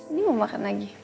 ini mau makan lagi